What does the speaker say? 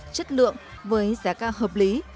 chất lượng với giá ca hợp lý